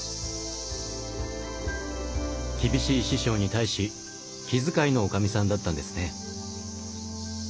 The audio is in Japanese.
厳しい師匠に対し気遣いの女将さんだったんですね。